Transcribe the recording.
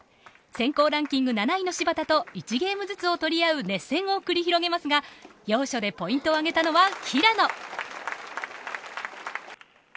選考ランキング７位の芝田と１ゲームずつを取り合う熱戦を繰り広げますが要所でポイントをあげたのは平野。